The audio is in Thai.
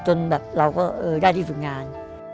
จนแบบเราก็ได้ที่ฝึกงาน